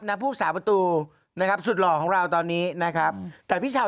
ผู้สาประตูนะครับสุดหล่อของเราตอนนี้นะครับแต่พี่ชาว